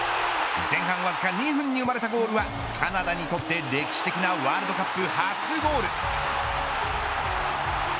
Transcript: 前半わずか２分に生まれたゴールはカナダにとって歴史的なワールドカップ初ゴール。